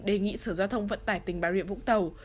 đề nghị sở giao thông vận tải tỉnh bà rịa vũng tàu